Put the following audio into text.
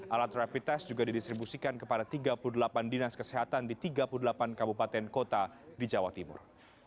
alat rapid test juga didistribusikan kepada tiga puluh delapan dinas kesehatan di tiga puluh delapan kabupaten kota di jawa timur